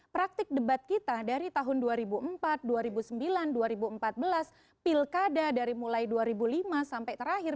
praktik debat kita dari tahun dua ribu empat dua ribu sembilan dua ribu empat belas pilkada dari mulai dua ribu lima sampai terakhir